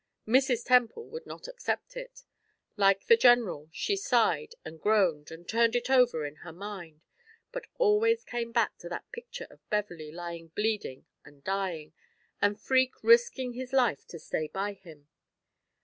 Mrs. Temple would not accept it. Like the general, she sighed and groaned, and turned it over in her mind; but always came back that picture of Beverley lying bleeding and dying, and Freke risking his life to stay by him.